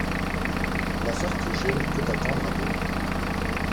L’affaire que j’ai ne peut attendre à demain.